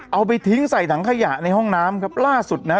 เอาไปทิ้งใส่ถังขยะในห้องน้ำครับล่าสุดนะฮะ